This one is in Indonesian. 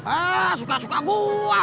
ah suka suka gua